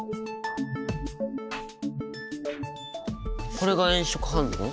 これが炎色反応？